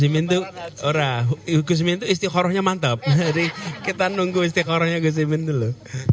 nanti ini dah biasanya gusimin itu istiqorohnya mantap jadi kita nunggu istiqorohnya gusimin dulu